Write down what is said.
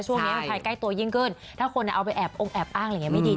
ช่วงนี้ภายใกล้ตัวยิ่งขึ้นถ้าคนเอาไปแอบองแอบอ้างอะไรอย่างนี้ไม่ดี